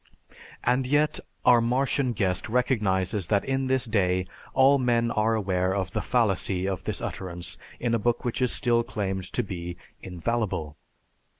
And yet our Martian guest recognizes that in this day all men are aware of the fallacy of this utterance in a book which is still claimed to be infallible.